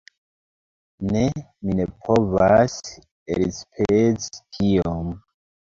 Ne, mi ne povas elspezi tiom.